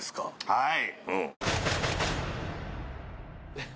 はい。